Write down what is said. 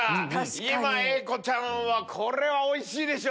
今栄子ちゃんはこれはおいしいでしょ。